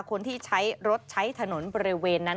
คนที่ใช้รถใช้ถนนบริเวณนั้น